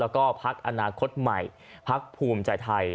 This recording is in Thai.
แล้วก็พักอนาคตใหม่พักภูมิใจไทย